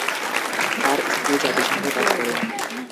তার স্ত্রী জাতিসংঘে কাজ করেন।